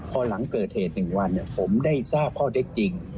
พอหลังเกิดเหตุ๑วันผมได้ทราบข้อเท็จจริง